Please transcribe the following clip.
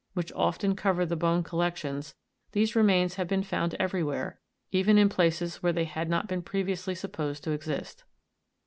which often cover the bone collections, these remains have been found everywhere, even in places where they had not been pre viously supposed to exist.